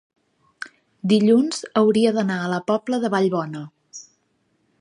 Dilluns hauria d'anar a la Pobla de Vallbona.